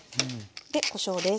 でこしょうです。